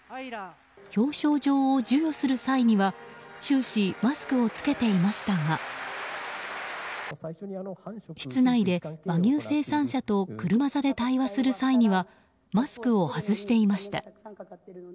表彰状を授与する際には終始マスクを着けていましたが室内で和牛生産者と車座で対話する際にはマスクを外していました。